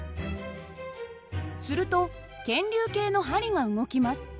すると検流計の針が動きます。